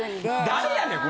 誰やねん？